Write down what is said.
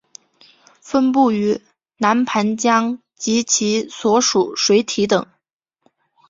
分布于南盘江及其所属水体等。